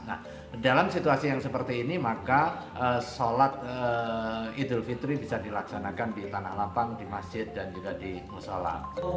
nah dalam situasi yang seperti ini maka sholat idul fitri bisa dilaksanakan di tanah lapang di masjid dan juga di musola